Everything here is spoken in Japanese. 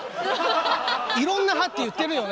いろんな派って言ってるよね？